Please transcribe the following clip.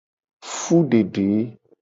Fudede.